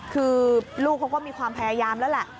คือลูกเขาก็มีความพยายามแล้วแหละ